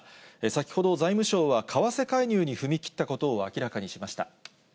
先ほど財務省は、為替介入に踏み切ったことを明らかにしました。